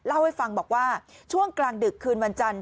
เล่าให้ฟังบอกว่าช่วงกลางดึกคืนวันจันทร์